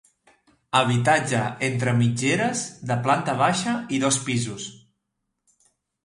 Habitatge entre mitgeres de planta baixa i dos pisos.